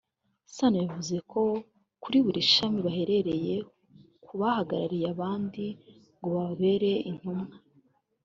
Sano yavuze ko kuri buri shami bahereye ku bahagarariye abandi ngo bababere intumwa